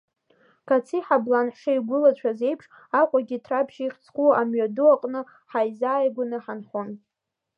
Кациҳаблан ҳшеигәылацәаз еиԥш, Аҟәагьы Ҭраԥшь ихьӡ зху амҩаду аҟны ҳаизааигәаны ҳанхон.